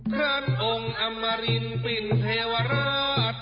ท่านองค์อำมารินปินเทวราช